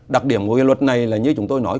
đặc điểm của cái luật này là như chúng tôi nói